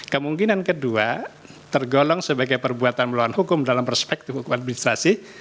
kemungkinan kedua tergolong sebagai perbuatan melawan hukum dalam perspektif hukum administrasi